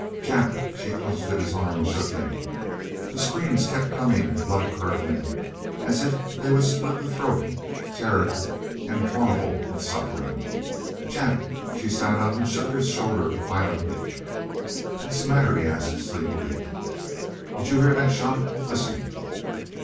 "Jap!" She clutched his arm and shook him. The screams kept coming, blood curdling, as if they would split the throat, tear it, and horrible with suffering. "Jap!" She sat up and shook his shoulder violently. "Wha's the matter?" he asked, sleepily. "Did you hear that shot? Listen!"